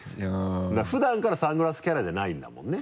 普段からサングラスキャラじゃないんだもんね？